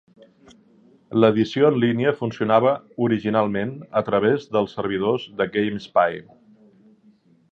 L'edició en línia funcionava originalment a través dels servidors de GameSpy.